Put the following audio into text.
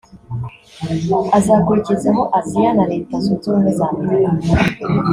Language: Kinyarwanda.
azakurikizaho Aziya na Leta Zunze Ubumwe za Amerika